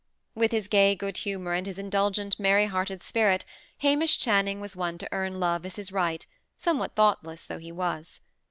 With his gay good humour, and his indulgent, merry hearted spirit, Hamish Channing was one to earn love as his right, somewhat thoughtless though he was.